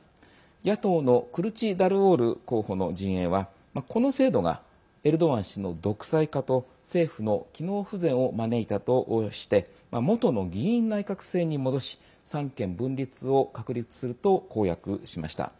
野党のクルチダルオール候補の陣営は、この制度がエルドアン氏の独裁化と政府の機能不全を招いたとしてもとの議院内閣制に戻し三権分立を確立すると公約しました。